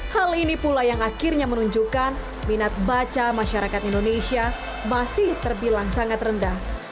hal ini pula yang akhirnya menunjukkan minat baca masyarakat indonesia masih terbilang sangat rendah